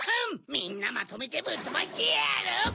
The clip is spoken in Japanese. みんなまとめてぶっとばしてやる！